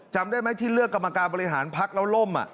จำได้ไหมที่เลือกกรรมการบริหารพักแล้วล่ม